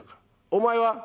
お前は？」。